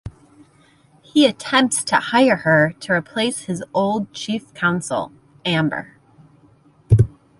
He attempts to hire her to replace his old Chief Counsel, Amber.